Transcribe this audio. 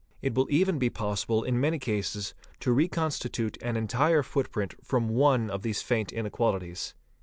It will even be possible in many cases eae to reconstitute an entire footprint from one of these faint inequalities.